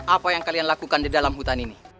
apa yang kalian lakukan di dalam hutan ini